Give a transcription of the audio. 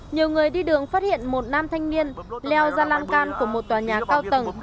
nhiều người đi đường phát hiện một nam thanh niên leo ra lan can của một tòa nhà cao tầng